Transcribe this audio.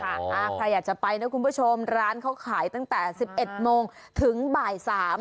ใครอยากจะไปนะคุณผู้ชมร้านเขาขายตั้งแต่๑๑โมงถึงบ่ายสาม